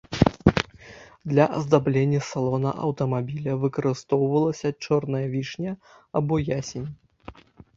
Для аздаблення салона аўтамабіля выкарыстоўвалася чорная вішня або ясень.